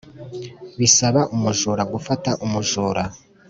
bisaba umujura gufata umujura